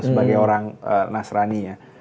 sebagai orang nasrani ya